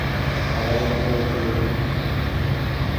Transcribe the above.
আবার নতুন করে শুরু।